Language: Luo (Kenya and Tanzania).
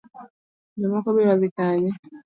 Jomoko biro dhi kanye?